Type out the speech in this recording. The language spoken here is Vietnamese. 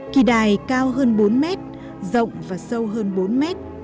kỳ đài cao hơn bốn mét rộng và sâu hơn bốn mét